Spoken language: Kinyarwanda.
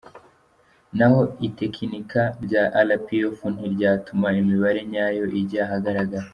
Naho itekiniika rya rpf ntiryatuma imibare nyayo ijya ahagaragara.